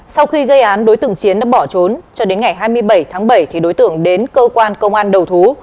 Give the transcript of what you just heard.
sau khi gây án đối tượng chiến đã bỏ trốn cho đến ngày hai mươi bảy tháng bảy thì đối tượng đến cơ quan công an đầu thú